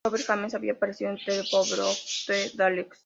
Robert James había aparecido en "The Power of the Daleks".